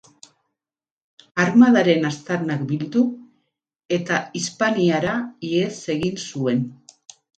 Armadaren aztarnak bildu eta Hispaniara ihes egin zuen.